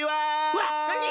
うわっなに？